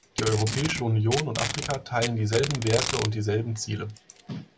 Die Europäische Union und Afrika teilen dieselben Werte und dieselben Ziele.